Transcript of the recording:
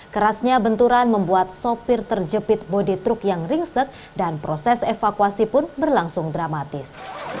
kerasnya benturan membuat sopir terjepit bodi truk yang ringsek dan proses evakuasi pun berlangsung dramatis